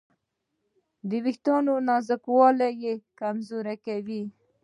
د وېښتیانو نازکوالی یې کمزوري کوي.